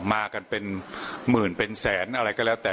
มากันเป็นหมื่นเป็นแสนอะไรก็แล้วแต่